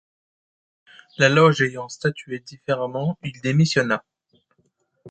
La loge ayant statué différemment, il démissionna.